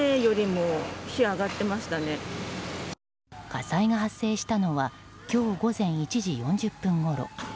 火災が発生したのは今日午前１時４０分ごろ。